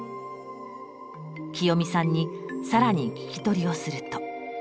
きよみさんにさらに聞き取りをすると。